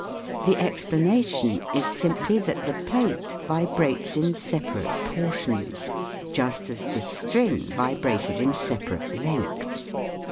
The explanation is simply that the plate vi brates in separate portions, just as the string vibrated in separate lengths.